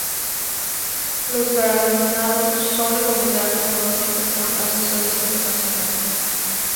Los galardonados son recomendados anualmente por asesores internacionales.